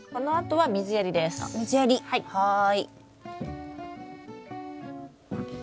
はい。